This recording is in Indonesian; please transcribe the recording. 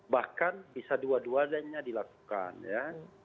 bahkan bisa dua duanya dilakukan ya